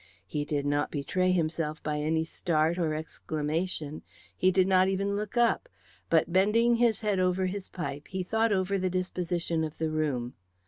He did not betray himself by any start or exclamation, he did not even look up, but bending his head over his pipe he thought over the disposition of the room.